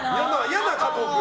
嫌な加藤君。